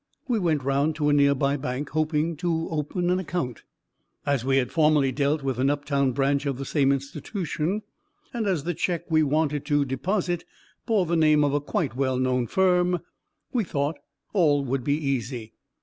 We went round to a near by bank hoping to open an account. As we had formerly dealt with an uptown branch of the same institution, and as the cheque we wanted to deposit bore the name of a quite well known firm, we thought all would be easy.